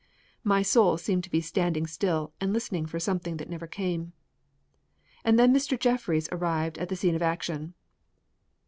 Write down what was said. My soul seemed to be standing still and listening for something that never came. And then Mr. Jeffries arrived on the scene of action.